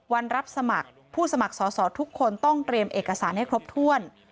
รับสมัครผู้สมัครสอสอทุกคนต้องเตรียมเอกสารให้ครบถ้วน